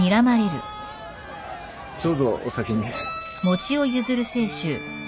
どうぞお先に。